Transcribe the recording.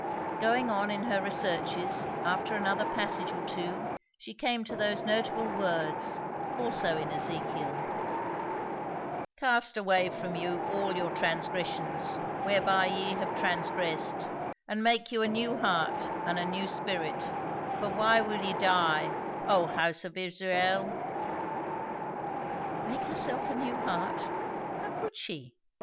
Going on in her researches, after another passage or two she came to those notable words, also in Ezekiel, "Cast away from you all your transgressions, whereby ye have transgressed; and make you a new heart and a new spirit: for why will ye die, O house of Israel?" Make herself a new heart? how could she?